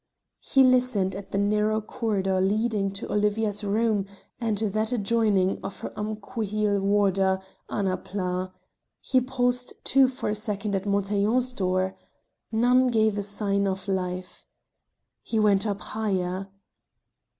He listened at the narrow corridor leading to Olivia's room and that adjoining of her umquhile warder, Annapla; he paused, too, for a second, at Montaiglon's door. None gave sign of life. He went up higher.